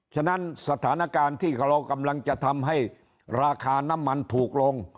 ฉะนั้นสถานการณ์ที่เรากำลังจะทำให้ราคาน้ำมันถูกลง